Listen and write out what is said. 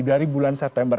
dari bulan september